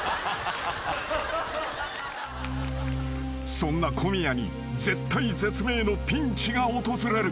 ［そんな小宮に絶体絶命のピンチが訪れる］